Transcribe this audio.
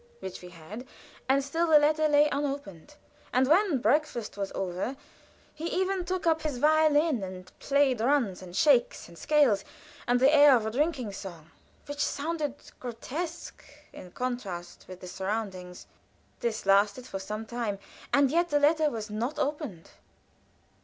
Which we had, and still the letter lay unopened. And when breakfast was over he even took up his violin and played runs and shakes and scales and the air of a drinking song, which sounded grotesque in contrast with the surroundings. This lasted for some time, and yet the letter was not opened.